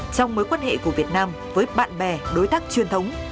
trong mối quan hệ của việt nam với bạn bè đối tác truyền thống